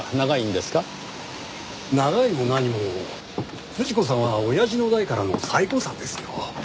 長いも何も富士子さんは親父の代からの最古参ですよ。